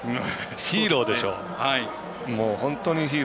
ヒーローでしょう。